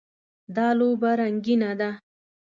دا لوبه رنګینه ده.